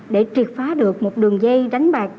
để triệt phá được một đường dây đánh bạc